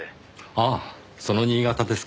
ああその新潟ですか。